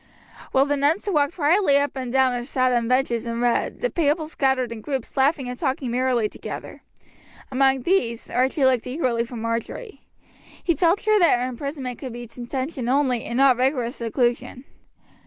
While the nuns walked quietly up and down or sat on benches and read, the pupils scattered in groups laughing and talking merrily together. Among these Archie looked eagerly for Marjory. He felt sure that her imprisonment could be detention only, and not rigorous seclusion.